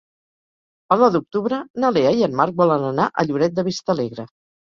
El nou d'octubre na Lea i en Marc volen anar a Lloret de Vistalegre.